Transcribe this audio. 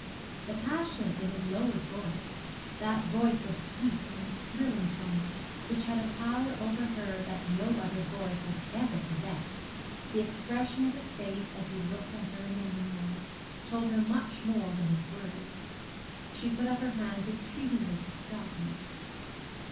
The passion in his lowered voice that voice of deep and thrilling tone which had a power over her that no other voice had ever possessed, the expression of his face as he looked at her in the moonlight, told her much more than his words. She put up her hands entreatingly to stop him.